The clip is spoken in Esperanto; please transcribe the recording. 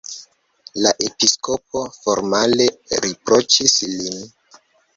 La episkopo formale riproĉis lin.